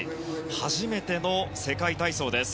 初めての世界体操です。